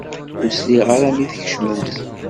Ur sliɣ ara mi d-tkecmemt.